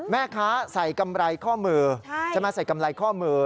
แม่ค้าใส่กำไรข้อมือใช่ไหมใส่กำไรข้อมือ